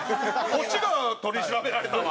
こっちが取り調べられたわ！